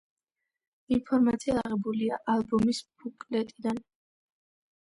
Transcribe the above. ინფორმაცია აღებულია ალბომის ბუკლეტიდან.